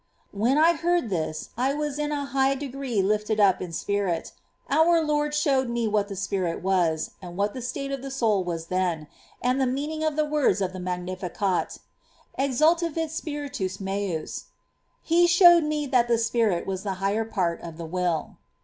When I heard this, I was in a high degree lifted up in spirit. Our Lord showed me what the spirit w^as, and what the state of the soul was then, and the meaning of those words of the Magnificat^ " Exultavit spiritus mens." He showed me that the spirit was the higher part of the will.